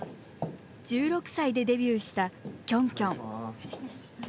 １６歳でデビューしたキョンキョン。